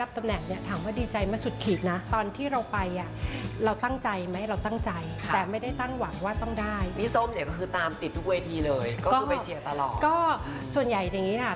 เป็นปีที่เรายังเด็กมาก